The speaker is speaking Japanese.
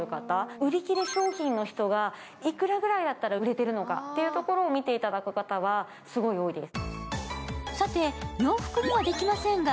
売り切れ商品の人がいくらぐらいなら売れているのかというところを見ていただく方はすごい多いです。